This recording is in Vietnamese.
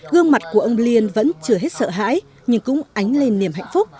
gương mặt của ông liên vẫn chưa hết sợ hãi nhưng cũng ánh lên niềm hạnh phúc